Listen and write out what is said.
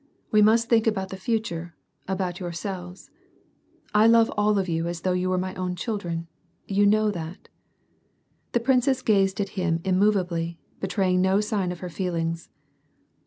We must think about the future, about your selves. — I love all of you as though you were my own chil dren ; you know that." The princess gazed at him immovably, betraying no sign of her feelings.